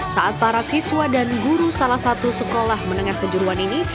saat para siswa dan guru salah satu sekolah menengah kejuruan ini